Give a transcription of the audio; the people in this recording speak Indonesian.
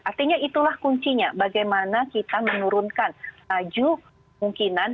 artinya itulah kuncinya bagaimana kita menurunkan laju mungkinan